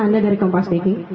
pak ini nanda dari kompas diki